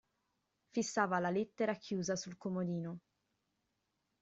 Fissava la lettera chiusa sul comodino.